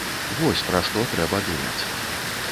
Вось, пра што трэба думаць.